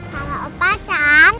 ke rumah opacan